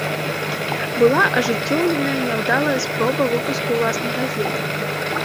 Была ажыццёўленая няўдалая спроба выпуску ўласнай газеты.